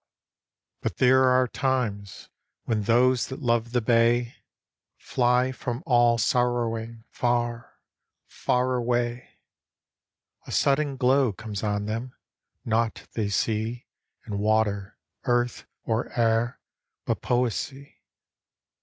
But there are times, when those that love the bay, Fly from all sorrowing far, far away ; A sudden glow comes on them, nought they see In water, earth, or air, but poesy.